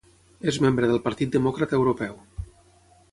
És membre del Partit Demòcrata Europeu.